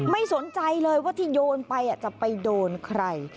ไม่สนใจเลยว่าที่โยนไปจะไปโดนใคร